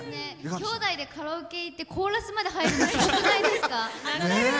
きょうだいでカラオケ行ってコーラスまで入るのすごくないですか。